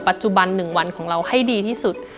ปัจจุบัน๑วันของเราให้ดีที่สุด